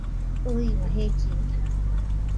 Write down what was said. ɨɨma jellina